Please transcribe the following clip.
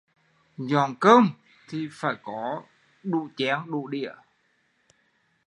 Dọn cơm thì phải có đủ chén đủ dĩa